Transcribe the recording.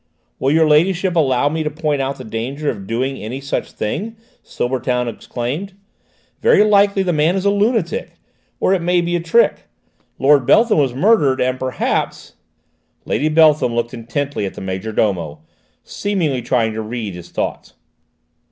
"Will your ladyship allow me to point out the danger of doing any such thing?" Silbertown exclaimed. "Very likely the man is a lunatic! Or it may be a trick: Lord Beltham was murdered, and perhaps " Lady Beltham looked intently at the major domo, seemingly trying to read his thoughts.